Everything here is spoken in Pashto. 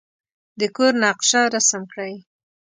د کور نقشه رسم کړئ.